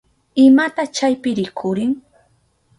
¿Imata chaypi rikurin?